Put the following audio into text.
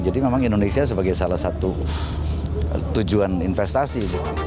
jadi memang indonesia sebagai salah satu tujuan investasi